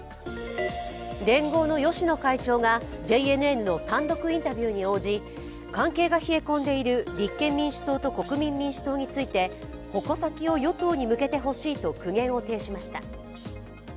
連合の芳野会長がＪＮＮの単独インタビューに応じ関係が冷え込んでいる立憲民主党と国民民主党について矛先を与党に向けてほしいと苦言を呈しました。